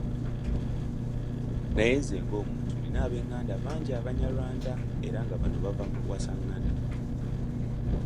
Naye nze ng'omuntu, nnina ab'enganda bangi abanyarwanda era nga bano baava mu kuwasangana.